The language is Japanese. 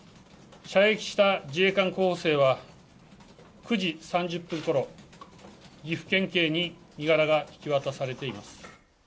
射撃した自衛官候補生は９時３０分ころ、岐阜県警に身柄が引き渡されています。